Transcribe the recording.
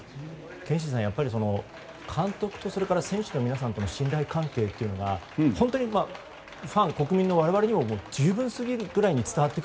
憲伸さん監督と選手の皆さんとの信頼関係というのは本当に、ファン、国民の我々にも十分すぎるくらいに伝わって。